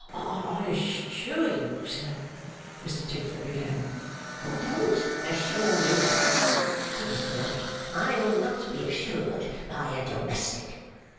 'I assure you, sir ' Mr Tinkler began. 'Don't assure me!' said Mr Dorrit. 'I will not be assured by a domestic.